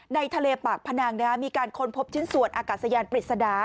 ในทะเลปากพนังมีการค้นพบชิ้นส่วนอากาศยานปริศนา